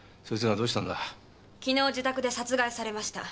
昨日自宅で殺害されました。